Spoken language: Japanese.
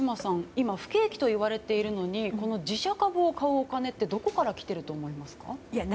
今、不景気といわれているのにこの自社株を買うお金ってどこから来ていると思いますか。